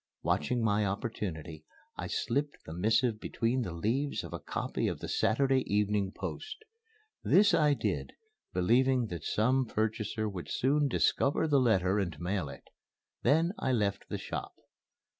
Watching my opportunity, I slipped the missive between the leaves of a copy of the Saturday Evening Post. This I did, believing that some purchaser would soon discover the letter and mail it. Then I left the shop.